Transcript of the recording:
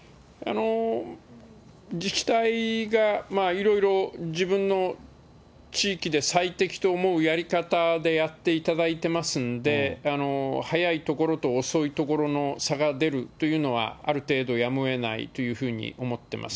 自治体がいろいろ、自分の地域で最適と思うやり方でやっていただいてますんで、早い所と遅い所の差が出るというのは、ある程度やむをえないというふうに思っています。